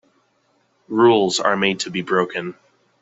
Rules are made to be broken.